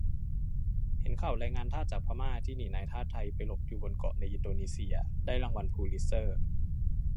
เห็นข่าวแรงงานทาสจากพม่า ที่หนีนายทาสไทยไปหลบอยู่บนเกาะในอินโดนีเซีย ได้รางวัลพูลิตเซอร์